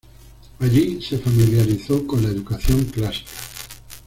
Allí se familiarizó con la educación clásica.